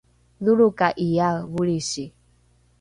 dholroka’iae volrisi?